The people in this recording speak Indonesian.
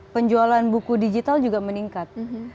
penjualan buku digital juga meningkat